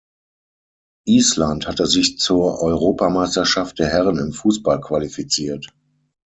Island hatte sich zur Europameisterschaft der Herren im Fußball qualifiziert.